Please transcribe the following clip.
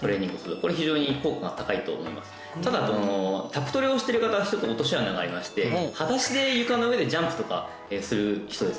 ただ宅トレをしてる方一つ落とし穴がありましてはだしで床の上でジャンプとかする人ですね